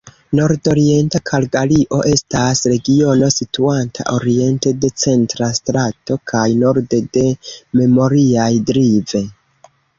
Nordorienta Kalgario estas regiono situanta oriente de Centra Strato kaj norde de Memorial Drive.